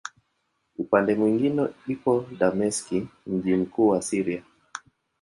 Upande mwingine iko Dameski, mji mkuu wa Syria.